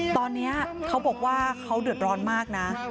ตอนนี้เขาบอกว่าเขาเดือดร้อนมากนะ